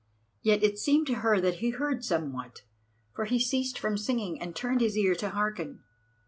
Yet it seemed to her that he heard somewhat, for he ceased from singing and turned his ear to hearken.